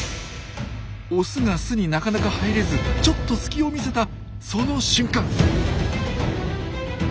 オスが巣になかなか入れずちょっと隙を見せたその瞬間。